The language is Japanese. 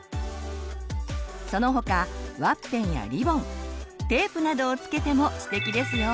その他ワッペンやリボンテープなどを付けてもステキですよ！